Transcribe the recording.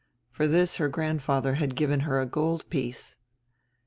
For this her grandfather had given her a gold piece.